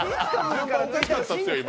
順番おかしかったっすよ、今。